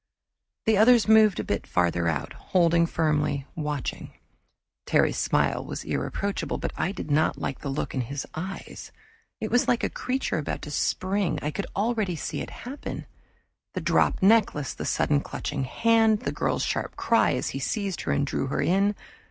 The others moved a bit farther out, holding firmly, watching. Terry's smile was irreproachable, but I did not like the look in his eyes it was like a creature about to spring. I could already see it happen the dropped necklace, the sudden clutching hand, the girl's sharp cry as he seized her and drew her in.